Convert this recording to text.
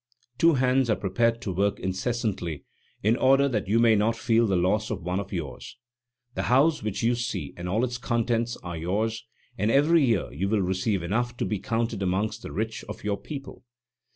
Two hands are prepared to work incessantly, in order that you may not feel the loss of one of yours. The house which you see and all its contents are yours, and every year you will receive enough to be counted amongst the rich of your people.